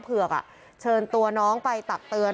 เป็นลุคใหม่ที่หลายคนไม่คุ้นเคย